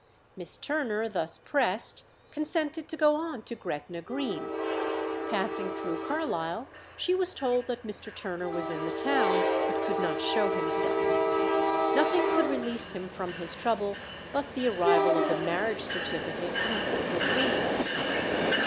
Miss Turner, thus pressed, consented to go on to Gretna Green. Passing through Carlisle, she was told that Mr. Turner was in the town, but could not show himself. Nothing could release him from his trouble but the arrival of the marriage certificate from Gretna Green.